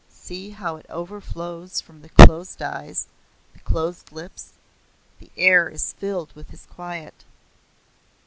See how it overflows from the closed eyes; the closed lips. The air is filled with his quiet."